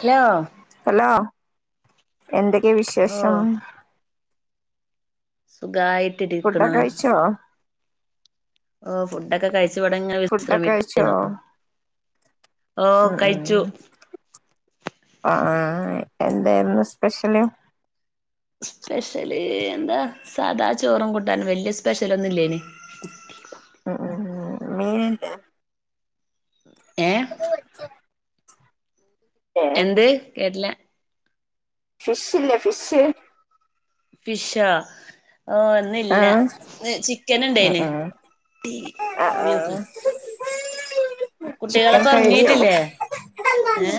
Hello എന്തൊക്കെയാ ഓ വിശേഷം? സുഖായി ഫുഡോക്കെ കഴിച്ചോ? ഓ ഫുഡൊക്കെ കഴി കഴിച്ച് ഇവടെ ഇങ്ങനെ ഫുഡൊക്കെ കഴിച്ചോ വിശ്രമിക്കാണ് ഓ ഉം കഴിച്ചു ഉം ആ ആഹ് എന്തായിരുന്നു സ്പെഷ്യല് സ്പെഷ്യല് എന്താ സാധാ ചോറും കൂട്ടാനും വല്യ സ്പെഷ്യലൊന്നും ഇല്ലേനി അ ആഹ് മീനില്ലേ ഏ എന്ത് കേട്ടില്ല ഫിഷ് ഇല്ലേ ഫിഷ് ഫിഷോ ഓ ആ ഒന്നില്ല ഏഹ് ചിക്കൻ ഉം ഇണ്ടേന് ഉം ആ ആ ചിക്കൻ കുട്ടികളൊക്കെ കഴുകിയോ ഒറങ്ങീട്ടില്ലേ ഏ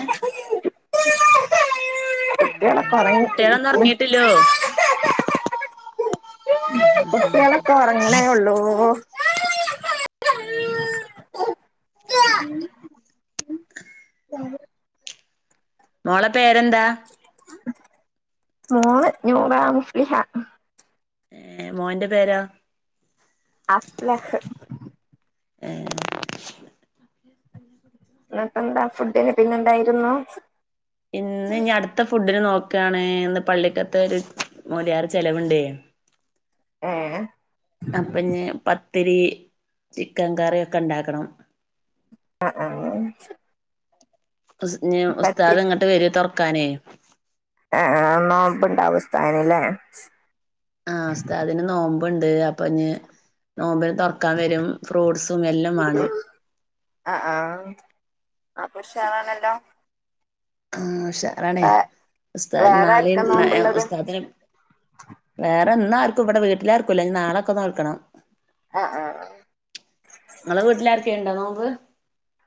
കുട്ടികളൊക്കെ ഒറങ്ങി കുട്ടികളൊന്നും എണീക്കിണ് ഒറങ്ങീട്ടില്ലോ കുട്ടികളൊക്കെ ഒറങ്ങണേ ഉള്ളൂ [inaudible] മോളെ പേരെന്താ മോള് നൂറ മഫ്ലിഫ ഏ മോന്റെ പേരോ അഫ്ലാക്ക് [inaudible] എന്നപ്പ എന്താ ഫുഡ് അതി ന്നെന്തായിരുന്നു പിന്ന് ഞ അടുത്ത ഫുഡിന് നോക്ക ക്കാണ് എന്ന് പള്ളിക്കത്ത് ഒരു മോ ലിയറ് ചെലവുണ്ടേ ഏ അപ്പൊ ഞ പത്ത് ഒത്തിരി ചിക്കൻ കറി ഒക്കെ ഉണ്ടാക്കണം ആഹ ആഹ ഉ ഉസ്താദ് ഇങ്ങട്ട് വര്വ തുറക്ക ക്കാനെ ആ ആ നോമ്പുനവുസ്താനില്ലേ ആ ഉസ്ദ്ധതിന് നോമ്പ് ഉണ്ട് അപ്പൊ ഞ് നോമ്പ തുറക്കാൻ വരും ഫ്രൂട്സും എല്ലാം വേണം ആപ്പോഷാറാണല്ലോ ആ ഉഷാറാണേ ഉസ്ദാ വേറെ നാളി ആർക്കാ നോമ്പുള്ളത് ഉതാദാദിന് വേറെ എന്നാർക്കും ഇവിടെ വീട്ടിലർക്കുംല്ല നാളെക്കെന്നന്ന് നോൽക്കണം ആ ആ നിങ്ങളെ വീട്ടിലർക്കെുണ്ടോ നോമ്പ്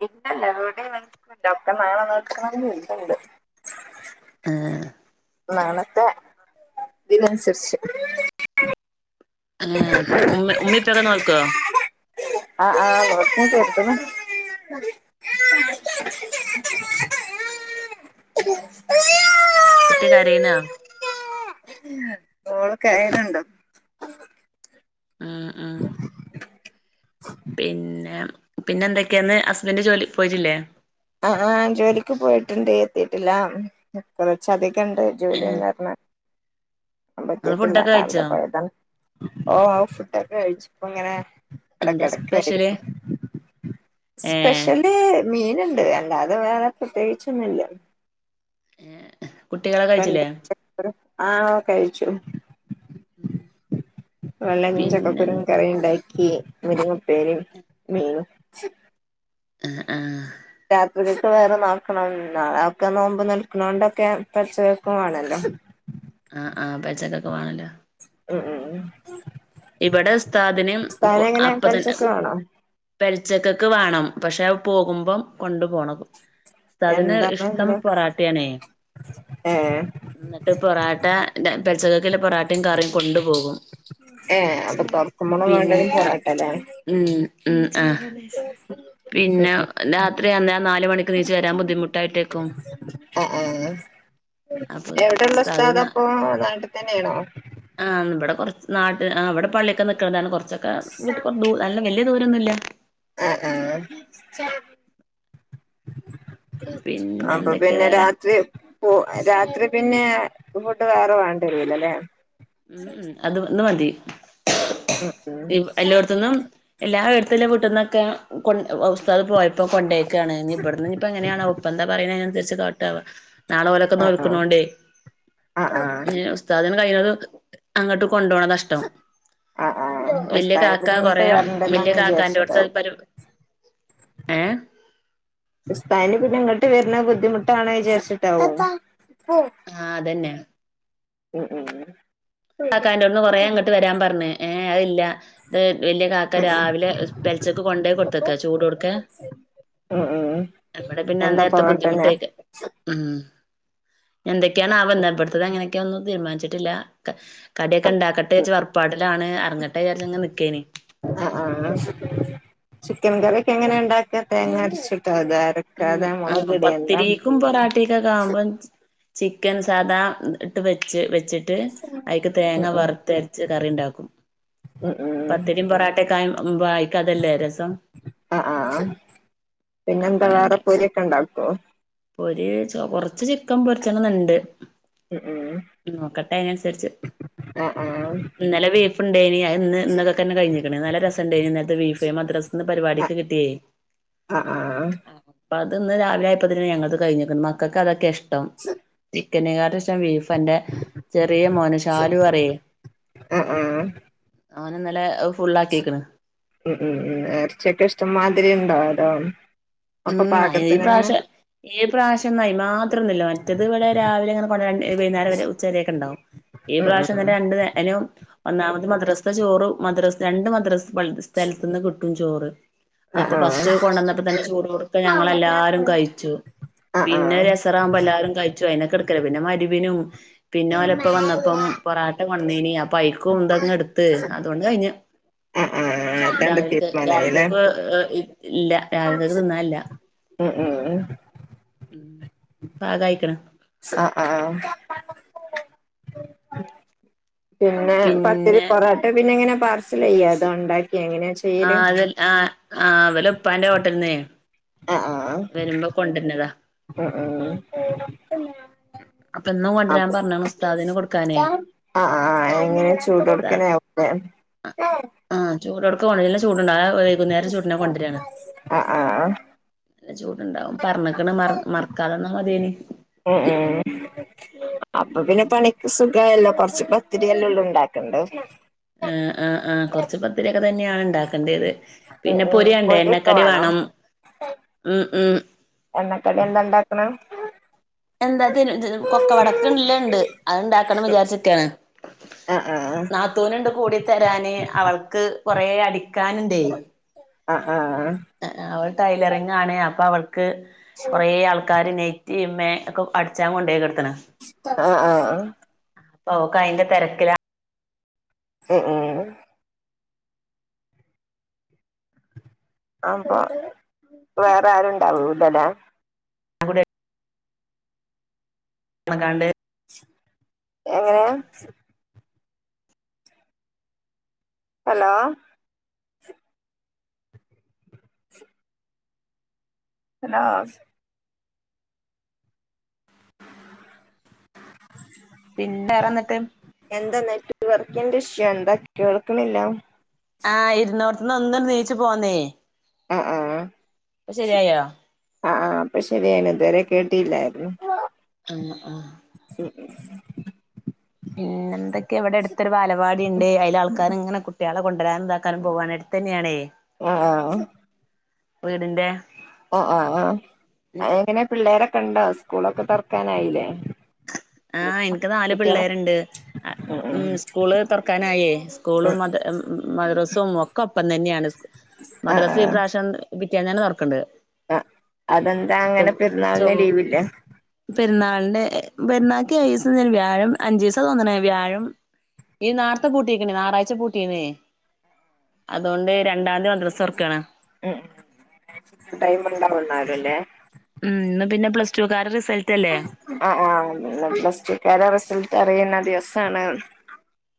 ഇല്ലല്ല ഇടെയും ഓകെ നാളെ നോൽകണം കരുത്ണ്ട് ആഹ നാളത്തെ ഇതിനനുസരിച്ച് ഏ ഇമ്മി ഇപ്പ ഓകെ നോൽക്കോ ആഹ ആഹ നോൽക്കും എന്ന് കരുത്തു ണു കുട്ടി കരിണോ മോളൊക്കെ കരുണുണ്ടോ ആഹ ആഹ പിന്നെ പിന്നെ എന്തൊക്കെയാന്ന് ഹസ്ബൻ റ്റ്ജോലി പോയിട്ടില്ലേ ആ ജോലിക്ക് പോയിട്ടുണ്ട് എത്തിട്ടില്ല കുറച്ച് അധികം ഇക്ക് ഏഹ് എന്താജോലിയന്ന് പറഞ് നിങ്ങള് എത്തിട്ടില്ല ഫുഡൊക്കെ രാവിലെ കഴിച്ചോ പോയതാ ഓ ഫുഡ്- കഴിച്ചുഇപ്പോ ഇങ്ങനെ എന്താ സ്പെഷ്യല് ഇടക്കടക്കായിരുന്നു ഏഹ് സ്പെഷ്യലി മീന അല്ലാതെ വേറെ പ്രത്യേകിച്ചൊന്നുമില്ല ഏ കുട്ടികള്കഴിച്ചില്ലേ ആഹ കഴിച്ചു വെള്ളിം പിന്നെ ചക്കക്കുരും കറി ഇണ്ടായി മുരിങ്ങ ഉപ്പേരിം മിനും അ ആഹ് രാത്രികക്ക്‌ വേറെ നോക്കണം അവക്കെ നോമ്പ് നോൽക്കണോണ്ടൊക്കെ പെൽച്ചകക്കും വാണല്ലോ ആഹ് ആ പോൽച്ചക്കൊക്കെ വേണല്ലോ ഉം ഉം ഉ ഇവിടെ ഉസ്താദിന് അപ്പ തന്നെ പൽച്ചക്ക് വേണോ പെൽച്ചകക്‌ വേണം പക്ഷെ പോകുമ്പോ കൊണ്ടു പോണം ഉസ്താദിന് എന്താണ് ഇഷ്ടം എന്റെ പൊറാട്ടയാണേ ഏ എന്നിട്ട് പൊറാട്ട ര പെൽ ചകക്ക് ഇല്ലെ പൊറാട്ടിം ക റിം കൊണ്ടു പോകും ഏ അപ്പൊ തുറക്കുമ്പോളു പിൻ വേണ്ടത് പൊറാട്ട ലേ ഉം ഉം ആഹ് പിന്നെ രാത്രി അന്ന് നാല് മണിക്ക് നീച്ച് വരാൻ ബുദ്ധിമുട്ടായിട്ടേക്കും ആ ആ അപ്പൊ എവിടെള്ള ഉസ്താദ് ന ഉസ്താപ്പം നാട്ടിൽ തന്നേ ണോ നാ ട് ആ വിടെ പള്ളിക്കെ നിക്ക്ണതാണ് കൊർ ചൊക്കെ വീട്ട് ക്ക് ദൂ നല്ല വല്യ ദുരം ഒന്നുല്ലാ അ ആ പിന്നെ അപ്പം എന്തൊക്കെയാ പിന്നെ വേറെ രാത്രി പോ രാത്രി പിന്നെ ഫുഡ് വേറെ വേണ്ടവെരൂലാലെ ഉം ഉം അത് ഒന്ന് മതി ഉം ഉം എല്ലോട്ത്ത്ന്നും എല്ലാ ത്തുല്ല വീട്ടുന്നൊക്കെ കൊ ഉസ്താദ് പോയപ്പം കൊണ്ടേ യക്കാണ് ഇഞ് ഇ ബട്ന്ന് ഇഞിപ്പോ എങ്ങനെയാണാവോ ഉപ്പ എന്താ പറയണ് അതിനനുസ രിച്ച് കാട്ടാ വം നാളെ ഓലൊക്കെ ആഹ് നോൽക്കണോണ്ടെ ആഹ് ആഹ് ഇഞ് ഉസ്താദിന് കഴി ണതും അങ്ങട്ടും കൊണ്ടുപോണതാഷ്ടം ആഹ് ആഹ് ആഹ് വല്യ ഉസ്താദിന് കാക്ക പിന്നെ ഇങ്ങട്ട് കുറെ വല്യ വരണ്ടല്ലോന്ന് കാക്കാൻ്റോട്ത്ത വിചാരിച്ചിട്ടാവും പരു ഏ ഉസ്താദിനി പ്പിന്നെങ്ങട്ട് വരുന്നത് ബുദ്ധിമുട്ടാണ് വിചാരിച്ചിട്ടാവും ആഹ് അതെന്നെ ഉം ഉം ഉം കാക്കാന്റോടൊന്ന് കൊറെ ഇങ്ങ ങ്ങട്ട് വരാൻ പറഞ്ഞ് ഏ അതില്ല വല്യ കാക്ക ഉം രാവിലെ പെലച്ചക്ക് കൊണ്ടുപോയി കൊടുത്ത്ക്ക ചൂടോടുക്കെ ഉം ഉം ഇവിടെ പിന്നെ എന്താ അന്നേരത്തെ പൊറോട്ടന്നെ ബുദ്ധിമുട്ടായ്ക്കും ഉം എന്തൊക്കേണ് ആവം ഇന്ന് ഇബട്ത്തതെങ്ങനെ ഒന്നും തീരുമാനിച്ചിട്ടില്ല [inaudible] കട്യോക്കെ ഇണ്ടാക്കട്ടെവച്ച് പൊറപ്പാടിലാണ്. അറങ്ങട്ടെ വിചാരിച്ചങ്ങ് നിക്കേന് ആഹ് ആഹ് ചിക്കൻ കറിയൊക്കെ എങ്ങനെ ഉണ്ടാക്കാ തേങ്ങ അരച്ചി ഉം ആ പത്തിരീക്കും പൊറാട്ടെക്കെക്കാവുമ്പോം ചിക്കൻ സാദാ ഇട്ട് വെച്ച് വെ വെച്ചിട്ട് അയ്ക്ക് ഉം തേങ്ങ ഉം വറുത്തരച്ച് കറി ഇണ്ടാക്കും ഉം ഉം പത്തിരി പൊറോട്ടയൊക്കെ ആയോ ഉം ഭായ് അതല്ലേ രസം ആഹ് ആഹ് പിന്നെന്താ വേറെ പൊരിയൊക്കെ ഇണ്ടാക്കോ? പൊരി. കൊറച്ച് ചിക്കൻ പൊരിച്ചണംന്ന്ണ്ട്. ഉം ഉം നോക്കട്ടെ അതിനനുസരിച്ച്. ആ ആ ഇന്നലെ ബീഫ് ഇണ്ടേനി. അത് ഇന്ന് ഇന്നതൊക്കെ തന്നെ കഴിഞ്ഞിക്കണ്. നല്ല രസണ്ടെനി ഇന്നലെത്തെ ബീഫ് മദ്രസന്ന് ആ പരിപാടിക്ക് കി ഏയ് ആ അത് ന്ന് രാവിലെ ആയപ്പത്തിന് ഞങ്ങളത് കഴിഞ്ഞിക്കണ്. മക്കൾക്ക് അതൊക്കെ ഇഷ് ടം തി ക്കനേ കാട്ടും ഇഷ്ട്ട ബീഫ് പ്പന്റെ ചെറിയ മോന് ശാലു പറയേ ഓനിന്നലെ ഔ മം മം മം എർച്ച്യാക്കെ ഇഷ്ടംമാതിരിണ്ടോ? ആ ഒക്കെ ഊം അയിന് ഈ പാകത്തിനങ്ങനെ പ്രാവശ്യം ഈ പ്രാവശ്യം അയിന് മാത്രം ഒന്നൂല്ല. മറ്റേത് ഇവിടെ രാവിലെ ഇങ്ങനെ കൊണ്ടരു വൈകുന്നേരം വരെ ഉച്ചവരൊക്കെ ഉണ്ടാവും. ഈ ഉം ഉം പ്രാവശ്യംന്നെ രണ്ടനേരോം ഒന്നാമത് മദ്രസത്ത ചോറും മദ്രസ് രണ്ട് മദ്രസ് വൾക്ക് സ്ഥലത്ത്ന്ന് ക് ട്ടും ചോറ് ആ അപ്പ ആ ഫസ്റ്റ് കൊണ്ടന്നപ്പതന്നെ ചൂ പ്പ ഞങ്ങളല്ലാരും കഴിച്ചു. ആ ആ ആ ആ പിന്നെരസറാവുമ്പൊ എല്ലാരും കഴിച്ചു. അയിനൊക്കെ ക്കല്ലെ പിന്നെ മരിബ്നും പിന്നെ ഓരപ്പ വന്നപ്പം പൊറാട്ട കൊട്ന്നീനി അപ്പൈക്കും ഇതങ്ങ്ട്ത്ത് അതോണ്ടഴിഞ്ഞ്. എത്താണ്ട് രാവിൽക്ക് തീരുമാനായില്ലേ രാവിൽകേക്ക് ഇല്ല രക് തിന്നാല്ല ഉം ഉം പാകായിക്കണ് ആഹ് ആഹ്. പിന്നെ പത്തിരി പിന്നെ പൊറാട്ട പിന്നെങ്ങനെ പാർസൽ ചെയ്യാ അതോണ്ടാ ആഹ് അതെ ആഹ്. ആ ഇവല് ഇപ്പാന്റെ ഹോട്ടൽന്നെ ആ ആ വരുമ്പോ കൊണ്ടരന്നതാ. ഉം അപ്പൊ ഇന്നും കൊണ്ടരാൻ പറഞ്ഞ്ണ് ഉസ്താദിന് കൊടുക്കാനേ ഉ ആഹ് ആ എങ്ങനെയാ ചൂട് കൊടുക്കണ ഉസ്താദ് [unintelligible] ചൂടെട് കൊല്ലേ ചൂട് ഇണ്ട വൈകുന്നേരം ചൂട്ന്ന കൊണ്ടിരാണ്. ആഹ് ആഹ് ചൂട്ണ്ടാവും പറഞ്ഞക്കണ് മർ മറക്കാതിന്ന മതിയെനി. ഉം ഉം അപ്പൊ പിന്നെ പണിക്ക് സുകായല്ലോ കൊറച്ച് പത്തിരിയല്ലെള്ളു ഉണ്ടാക്കണ്ടെ? ആഹ് ആഹ് ആ കൊറച്ച് പത്തിരിയൊക്കെ തന്നെ. യാണ് ണ്ടാക്കേണ്ടത് ഉം പിന്നെ ഉം പൊരിയാണ്ടെ പൊരിയൊക്കെ എണ്ണക്കടി വേണോ വേണം മ് മ് എണ്ണക്കടി എന്താ ഇണ്ടാക്കണെ? എന്താ [unintelligible] കൊക്ക വടക്കുള്ളെ ഉണ്ട് അത്ണ്ടാക്കണം ന്ന് വിചാരിച്ചിരിക്കാണ്. ആഹ് ആഹ് നാത്തൂന്ണ്ട് കൂടി തരാന് അവൾക്ക് കൊറേ അടി കാനുണ്ടേ ആഹ് ആഹ് ആഹ് ആ അവൾ ടൈലറിങ് ആണ് പ്പാവൾക്ക് ക്ക് കുറെ ആൾക്കാര് നൈറ്റി മേ ഒക്കെ അടിച്ചാ കൊണ്ടേയിക്കണ് ആഹ് ആഹ് ആഹ് ഓക്കയിന്റെ തിരക്കിലാ ഉം ഉം അപ്പൊ വേറെ ആരുണ്ടാവൂലലേ അവിടെ ണക്കാണ്ട് എങ്ങനെയാ ഹലോ ഹലോ [inaudible] പിന്നെ വേറെ എന്ധോക്കെ എന്താ നെറ്റ് വർക്കിന്റെ ഇഷ്യ എന്താ കേൾക്കണില്ല ആഹ് ഇരുന്നോടത്തുന്നു ത ഒന്ന് നീച്ചു പോന്നേ ആഹ് ഇപ്പൊ ശരിയായോ ആ ആ ഇപ്പൊ ശരിയായിന് ഇതുവരെ കേട്ടില്ലായിരുന്നു ആ ആഹ [inaudible] പിന്നെ എന്തൊക്കെയ ഇവിടെ അടുത്തൊരു പാലപാടി ഉണ്ട് അയിൽ ആൾക്കാർ ഇങ്ങനെ കുട്ടികള കൊണ്ടരാ നും താക്കാനും പോവാന് അടുത്ത് തന്നെയാണേ ആഹ ആ വീടിന്ടെ ആ ആ് ആ അങ്ങനെ പിള്ളേരെ കണ്ടോ സ്കൂളൊക്കെ തുറക്കാനായില്ലേ ആഹ എനിക്ക് നാല് കുട്ടികളെ പിള്ളേരുണ്ട് ഉം ഉ ഉം സ്കൂള് തുറക്കാനായേ ഉം സ്കൂളും മ മദ്രാസും ഒക്കെ ഒപ്പം തന്നെയാണ് മദ്രസ് ഇപ്രാവശ്യം പിറ്റേന്ന് തന്നെ തുറക്കിൻഡ് ആ അതെന്താ അങ്ങനെ ചൊ പെരുന്നാളിന് ലീവില്ലേ പെരുന്നാളിന്റെ വെരുന്നാാക്കി അയ ദിവസം ഞാൻ വ്യാഴം അഞ്ചു ദിവസ തന്നണേ വ്യാഴം ഈ നാരത്തെ പൂട്ടിക്കണേ ഞായയറാഴ് പൂട്ടിണേ അതുകൊണ്ട് രണ്ടാം തീയതി വന്ന ദിവസം വർക്കാണ് ഉം ടൈമ ഉണ്ടാവാവുന്നാലല്ലേ ഉംന്ന് പിന്നെ പ്ലസ ടു കാര ആ ആ പ്ലസ് റിസൾട്ട് അറിയ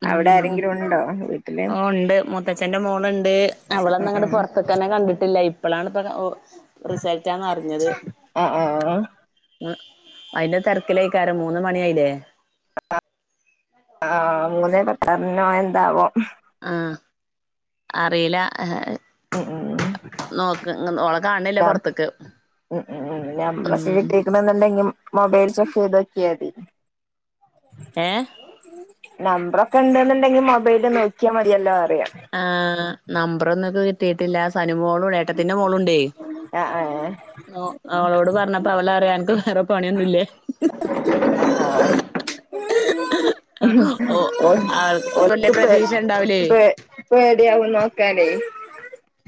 ഉ ആരെങ്കിലും ഉണ്ടോ വീട്ടില് ഓ ഉണ്ട് മുത്തച്ഛന്റെ മോളുണ്ട് അവളൊന്നും ഉം അങ്ങെ ഉം പുറത്തക്ക തന്നെ കണ്ടിട്ടില്ല [inaudible] റിസൾട്ടാന്ന് അറിഞ്ഞത് ആഹ് ആഹ് ആ അതിന്റെ തിരക്കിലായിക്കാര മൂന്ന മണിയില്ലേ ആഹ മൂനെ പെട്ടറിനോ എന്താവോ ആഹ അറിയില്ല ഉ ഉ നോക്ക് ഓളെ കാണില്ല പൊറത്ത്ക്ക് ഉ ഉ ഉം നമ്പറൊക്കെ കിട്ടിരിക്കണ എന്നുണ്ടെങ്കിൽ മൊബൈൽ ചെക്ക് ചെയ്ത് ഏ നമ്പറൊക്കെ ഉണ്ടെന്നുണ്ടെങ്കിൽ മൊബൈല് നോക്കിയാ മതിയല്ലോ അറിയാം ആഹ നമ്പർ ഒന്നൊെ കിട്ടിയിട്ടില്ല എന്റെ മോളും ഏട്ടത്തിടെ മോളുമുണ്ടേ ആ ആ അവളോട് പറഞ്ഞ തവല അറിയ എനക്ക് വേറെ പണിയൊന്നുംല്ലേ ആഹ ആഹ് [inaudible] ഓ ഓൽ അവർപ്പല്ല പ്രതീക്ഷ ഉണ്ടാവലേ പേടയാവുംും നോക്കാണ്ടേ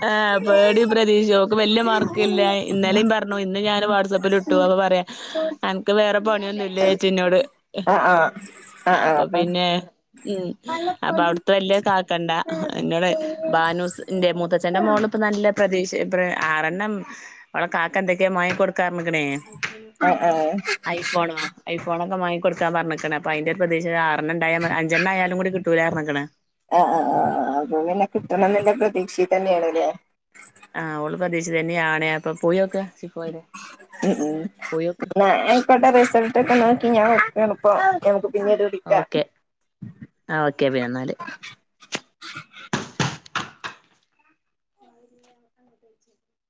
ആ പേടിയ പ്രതീക്ഷ അവക്ക് വല്യ മാർക്ക് ഇല്ല ഇന്നലേും പറഞ്ഞു ഇന്ന് ഞാൻ വാട്സആപ്പിൽ ഇട്ടു അ പറയാ എനക്ക് വേറെ പണിയൊന്നുംല്ല ചേച്ചിോട് ആ ആ ആ ആ ആ അപ്പൊ ആ പിന്നെ ഉ ആ അപ്പ അവിടുത്തെ വല്യ കാക്കണ്ട എന്നോട് ബാനുസിന്റെ മുത ന്റെ മോൾ ഇപ്പ നല്ല പ്രതീക്ഷ ആറെണ്ണം അവള കാക്ക എന്തൊക്കെയാ മ കൊടുക്ക ക കണ ആ ആ ആഐഫോൺ ആഐഫോന മായി കൊടുക്കൻ പറഞ്ഞി അ അതിന്റെ പ്രദേശ ആ ആ അതൊങ്ങനെ കിട്ടണം എന്നല്ലെ പ്രതീക്ഷിക്ക തന്നെയാണ അല്ലേ ആഹ് ഉളു പ്രതീശ തന്നെയ ഉ പോയോക്ക് എക്കട്ട റിസോർട്ടക്കണ [unintelligible] പിന്നീട് കുടിക്ക ഓക്കെ ആ ഓക്കെ പിന്നെ എന്നാല്